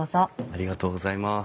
ありがとうございます。